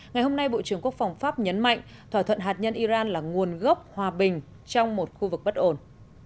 ngày hôm nay bộ trưởng quốc phòng pháp nhấn mạnh thỏa thuận hạt nhân iran là nguồn gốc hòa bình trong một khu vực bất ổn